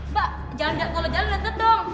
mak jangan jalan jalan lihat lihat dong